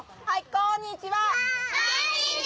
こんにちは！